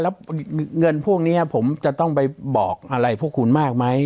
แล้วเงินพวกนี้ผมจะต้องไปบอกอะไรพวกคุณมากไหม